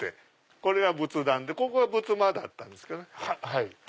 これが仏壇でここが仏間だったんですけどね。